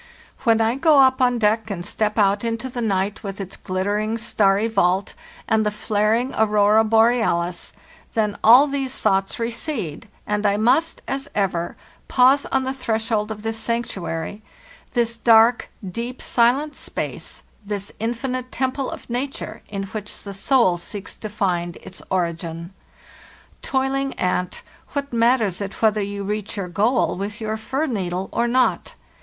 When I go up on deck and step out into the night with its glittering starry vault and the flaring aurora borealis, then all these thoughts recede, and I must, as ever, pause on the threshold of this sanctuary—this dark, deep, silent space, this infinite temple of nature, in which the soul seeks to find its ori gin. Toiling ant, what matters it whether you reach your goal with your fir needle or not?